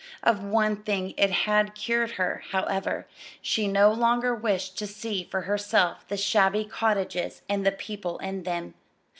Of one thing it had cured her, however: she no longer wished to see for herself the shabby cottages and the people in them.